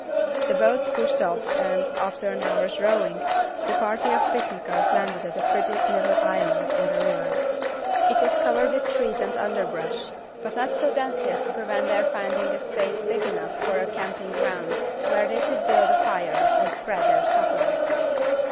The boats pushed off and, after an hour's rowing, the party of picnickers landed at a pretty little island in the river. It was covered with trees and underbrush, but not so densely as to prevent their finding a space big enough for a camping ground where they could build a fire and spread their supper.